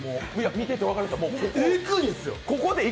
見てて分かるんです。